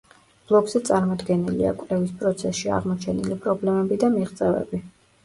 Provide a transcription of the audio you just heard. ბლოგზე წარმოდგენილია კვლევის პროცესში აღმოჩენილი პრობლემები და მიღწევები.